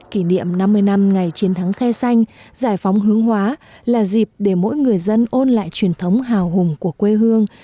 kỷ niệm năm mươi năm ngày chiến thắng khe xanh giải phóng hướng hóa là dịp để mỗi người dân ôn lại truyền thống hào hùng của quê hương